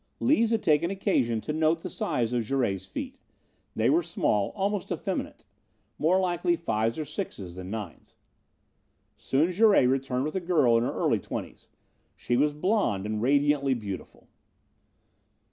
Lees had taken occasion to note the size of Jouret's feet. They were small, almost effeminate. More likely fives or sixes than nines. Soon Jouret returned with a girl in her early twenties. She was blond and radiantly beautiful.